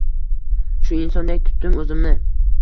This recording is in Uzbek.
Shu insondek tutdim oʻzimni.